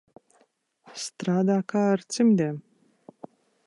Strādā kā ar cimdiem.